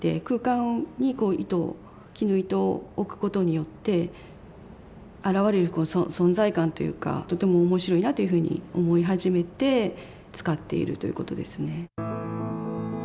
空間に糸を絹糸を置くことによって現れる存在感というかとても面白いなっていうふうに思い始めて使っているということですね。